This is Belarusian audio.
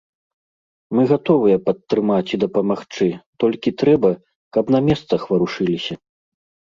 Мы гатовыя падтрымаць і дапамагчы, толькі трэба, каб на месцах варушыліся.